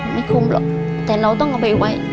ไม่คุ้มหรอกแต่เราต้องเอาไปไว้